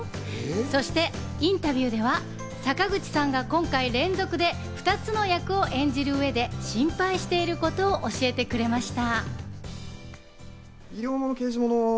そしてインタビューでは坂口さんが今回、連続で２つの役を演じる上で、心配してることを教えてくれました。